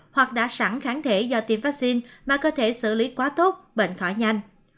hoặc đã sẵn kháng thể do tiêm vaccine mà cơ thể xử lý quá tốt bệnh khỏi nhanh